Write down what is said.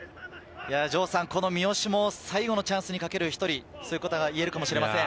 三好も最後のチャンスにかける１人ということが言えるかもしれません。